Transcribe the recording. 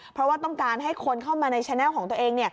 เพราะว่าต้องการให้คนเข้ามาในแนลของตัวเอง